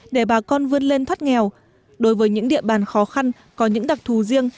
để bà con vươn lên thoát nghèo đối với những địa bàn khó khăn có những đặc thù riêng